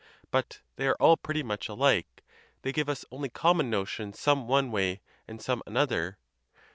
But they are all pretty much alike: they give us only common notions, some one way, and some another).